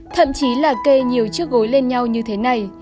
thậm chí là kê nhiều chiếc gối lên nhau như thế này